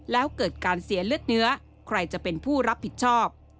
แล้วเกิดการเสียเลือดเนื้อใครจะเป็นผู้รับผิดชอบ